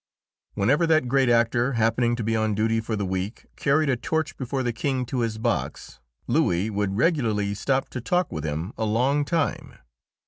Whenever that great actor, happening to be on duty for the week, carried a torch before the King to his box, Louis would regularly stop to talk with him a long time.